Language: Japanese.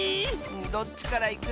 どっちからいく？